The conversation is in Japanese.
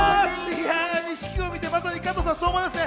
錦鯉を見て、まさに加藤さん、そう思いますね。